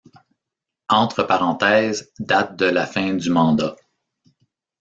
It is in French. Entre parenthèses date de la fin du mandat.